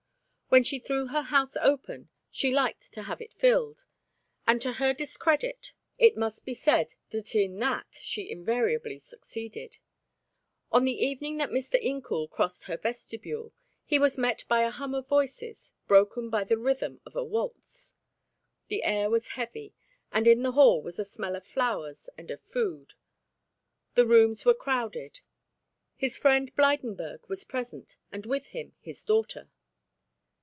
When she threw her house open, she liked to have it filled, and to her discredit it must be said that in that she invariably succeeded. On the evening that Mr. Incoul crossed her vestibule, he was met by a hum of voices, broken by the rhythm of a waltz. The air was heavy, and in the hall was a smell of flowers and of food. The rooms were crowded. His friend Blydenburg was present and with him his daughter.